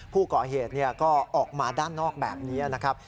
ผู้ก่อเหตุก็ออกมาด้านนอกแบบนี้นะครับ